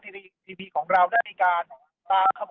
กินดอนเมืองในช่วงเวลาประมาณ๑๐นาฬิกานะครับ